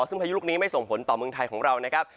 ซึ่งพายุลูกนี้ไม่ส่งผลต่อเมืองไทยของเรานะครับ